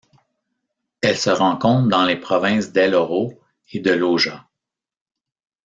Elle se rencontre dans les provinces d'El Oro et de Loja.